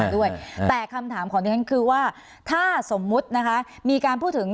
ด้วยแต่คำถามของดิฉันคือว่าถ้าสมมุตินะคะมีการพูดถึง